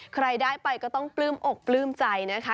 ใครได้ไปก็ต้องปลื้มอกปลื้มใจนะคะ